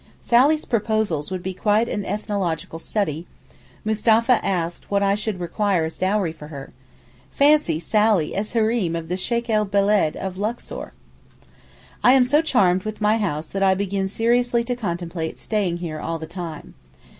Sally's proposals would be quite an ethnological study; Mustapha asked what I should require as dowry for her. Fancy Sally as Hareem of the Sheykh el Beled of Luxor! I am so charmed with my house that I begin seriously to contemplate staying here all the time.